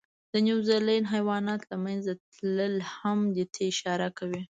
د نیوزیلند حیواناتو له منځه تلل هم دې ته اشاره کوي.